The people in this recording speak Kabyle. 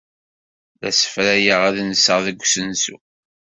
La ssefrayeɣ ad nseɣ deg usensu.